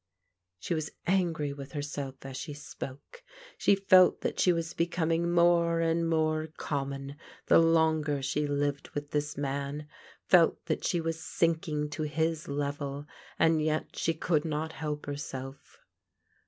She was angry with herself as she spoke. She felt that she was becoming more and more common the longer she lived with this man, felt that she was sinking i to his level, and yet she could not help herself.